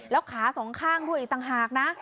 แล้วขาสองข้างด้วยอีกต่างหากนะ